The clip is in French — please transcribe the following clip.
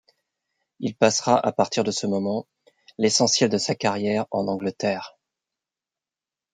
Il passera à partir de ce moment, l'essentiel de sa carrière en Angleterre.